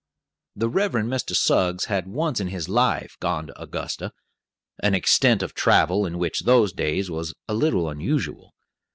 The Reverend Mr. Suggs had once in his life gone to Augusta; an extent of travel which in those days was a little unusual.